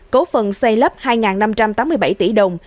cố phần xây lấp hai năm trăm tám mươi bảy tỷ đồng